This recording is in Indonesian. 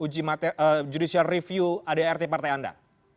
mengajukan judicial review adart partai anda